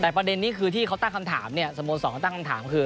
แต่ประเด็นนี้คือที่เขาตั้งคำถามเนี่ยสโมสรตั้งคำถามคือ